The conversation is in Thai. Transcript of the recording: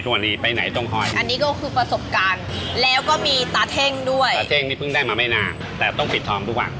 ตาเท่งนี่เพิ่งได้มาไม่นานแต่ต้องปิดทองทุกคน